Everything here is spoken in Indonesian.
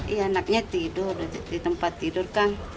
iya anaknya tidur di tempat tidur kan